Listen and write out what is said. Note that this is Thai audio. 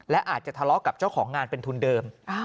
และอาจจะทะเลาะกับเจ้าของงานเป็นทุนเดิม